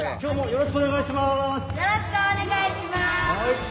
よろしくお願いします！